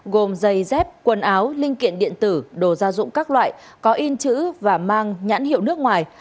gồm giày dép quần áo linh kiện điện tử đồ gia dụng các loại có in chữ và mang nhãn hiệu nước ngoài